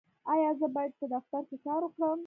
ایا زه باید په دفتر کې کار وکړم؟